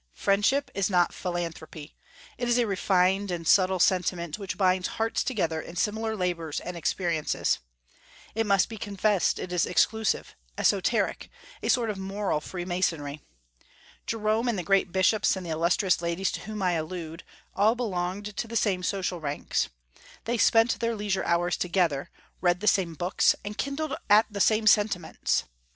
Friendship is not philanthropy: it is a refined and subtile sentiment which binds hearts together in similar labors and experiences. It must be confessed it is exclusive, esoteric, a sort of moral freemasonry. Jerome, and the great bishops, and the illustrious ladies to whom I allude, all belonged to the same social ranks. They spent their leisure hours together, read the same books, and kindled at the same sentiments.